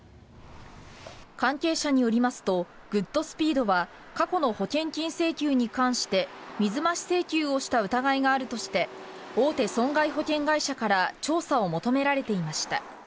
関係者によりますとグッドスピードは過去の保険金請求に関して水増し請求をした疑いがあるとして大手損害保険会社から調査を求められていました。